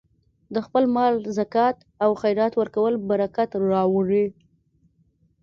د خپل مال زکات او خیرات ورکول برکت راوړي.